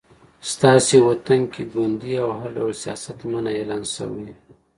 ستاسې وطن کې ګوندي او هر ډول سیاست منع اعلان شوی